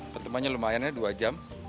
pertemuan lumayan dua jam